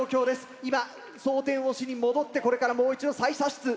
今装填をしに戻ってこれからもう一度再射出。